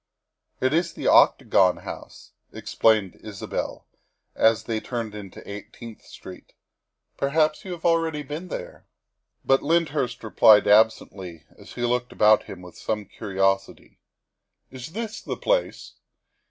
" It is the Octagon House," explained Isabel as they turned into Eighteenth Street. " Perhaps you have already been there?" But Lyndhurst replied absently as he looked about him with some curiosity. " Is this the place?"